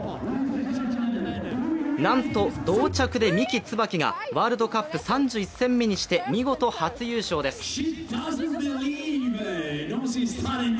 なんと同着で三木つばきがワールドカップ３１戦目にして、見事初優勝です。